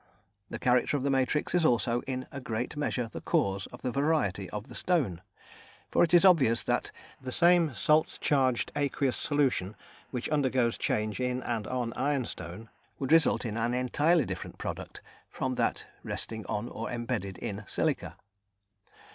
The character of the matrix is also in a great measure the cause of the variety of the stone, for it is obvious that the same salt charged aqueous solution which undergoes change in and on ironstone would result in an entirely different product from that resting on or embedded in silica.